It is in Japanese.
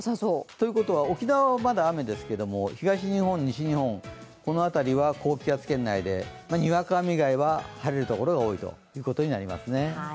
ということは沖縄はまだ雨ですけど東日本、西日本、この辺りは高気圧圏内でにわか雨以外は晴れるところが多いということになりますね。